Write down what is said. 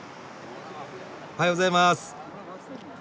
おはようございます。